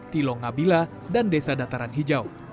tilong ngabila dan desa dataran hijau